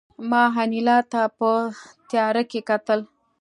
ما انیلا ته په تیاره کې کتل